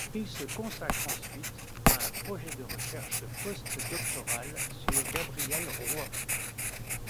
Il se consacre ensuite à un projet de recherche postdoctoral sur Gabrielle Roy.